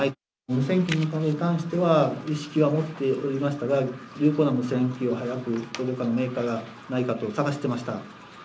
無線機に関しては意識は持っておりましたが、有効な無線機がどこかのメーカーがないかと探していました。